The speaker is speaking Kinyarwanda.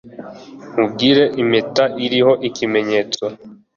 nkugire impeta iriho ikimenyetso